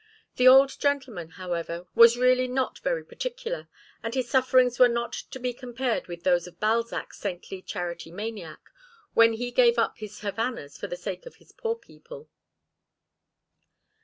The old gentleman, however, was really not very particular, and his sufferings were not to be compared with those of Balzac's saintly charity maniac, when he gave up his Havanas for the sake of his poor people.